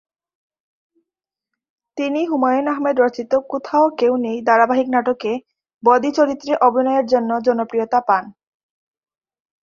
তিনি হুমায়ূন আহমেদ রচিত কোথাও কেউ নেই ধারাবাহিক নাটকে "বদি" চরিত্রে অভিনয়ের জন্য জনপ্রিয়তা পান।